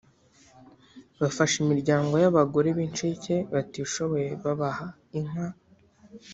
bafasha imiryango y’abagore b’incike batishoboye babaha inka